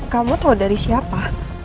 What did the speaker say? kamu tau dari siapa